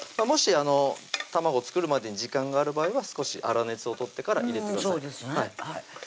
もし卵作るまでに時間がある場合は少し粗熱を取ってから入れてください